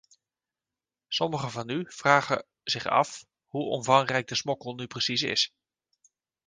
Sommigen van u vragen zich af hoe omvangrijk de smokkel nu precies is.